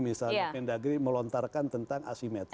misalnya mbak pindagri melontarkan tentang asimetris